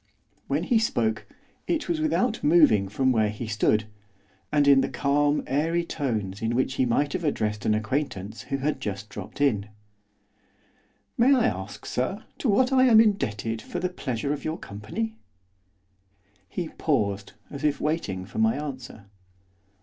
When he spoke, it was without moving from where he stood, and in the calm, airy tones in which he might have addressed an acquaintance who had just dropped in. 'May I ask, sir, to what I am indebted for the pleasure of your company?' He paused, as if waiting for my answer.